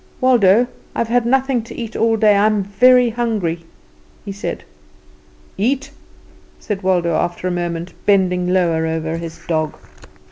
"Waldo, I've had nothing to eat all day I'm very hungry," he said. "Eat!" said Waldo after a moment, bending lower over his dog.